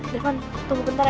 devon tunggu bentar ya